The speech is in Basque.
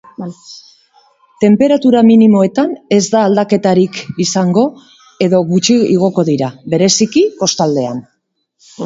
Tenperatura minimoetan ez da aldaketarik izango edo gutxi igoko dira, bereziki kostaldean.